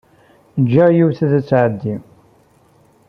Jjiɣ yiwet ad tɛeddi.